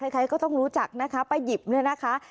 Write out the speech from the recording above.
ใครก็ต้องรู้จักนะคะป้าหยิบเนี่ยนะคะ